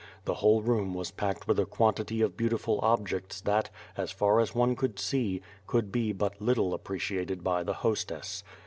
The whole room was packed with a quantity of beautiful objects that, as far as one could see, could be but little appreciated by the hostess.